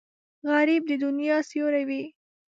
غریب د دنیا سیوری وي